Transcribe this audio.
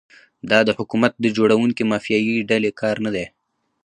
دا د حکومت د جوړونکي مافیایي ډلې کار نه دی.